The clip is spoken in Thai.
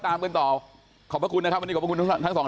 ตำรวจบอกว่าภายในสัปดาห์เนี้ยจะรู้ผลของเครื่องจับเท็จนะคะ